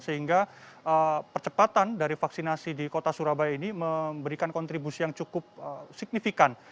sehingga percepatan dari vaksinasi di kota surabaya ini memberikan kontribusi yang cukup signifikan